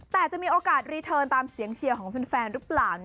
แต่จะมีโอกาสรีเทิร์นตามเสียงเชียร์ของแฟนหรือเปล่า